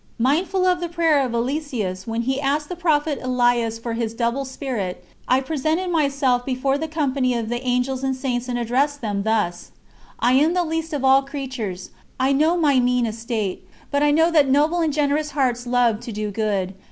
Mindful of the prayer of Eliseus when he asked the Prophet Elias for his double spirit, I presented myself before the company of the Angels and Saints and addressed them thus: "I am the least of all creatures. I know my mean estate, but I know that noble and generous hearts love to do good.